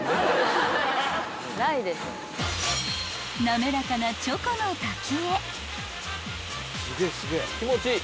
［滑らかなチョコの滝へ］